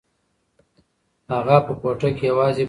هغه په کوټه کې یوازې بڼیږي.